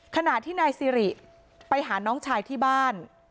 ขณะที่นายซิริไปหาน้องชายที่บ้าน